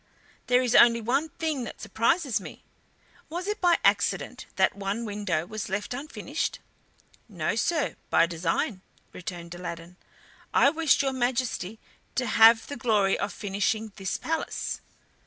There is only one thing that surprises me. Was it by accident that one window was left unfinished?" "No, sir, by design," returned Aladdin. "I wished your Majesty to have the glory of finishing this palace."